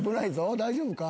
大丈夫か？